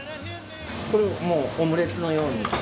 これもうオムレツのように。